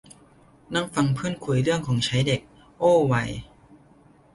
นั่งฟังเพื่อนคุยเรื่องของใช้เด็ก โอ้ วัย